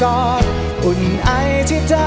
ที่ดูคล้ายคล้ายว่าเธอนั้นรัก